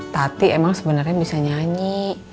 tati emang sebenarnya bisa nyanyi